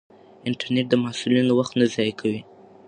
انټرنیټ د محصلینو وخت نه ضایع کوي.